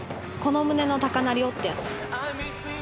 『この胸の高鳴りを』ってやつ。